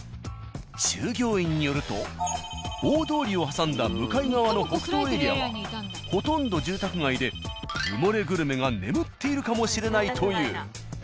従業員によると大通りを挟んだ向かい側の北東エリアはほとんど住宅街で埋もれグルメが眠っているかもしれないという。